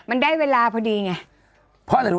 มันได้เวลาพอดีไง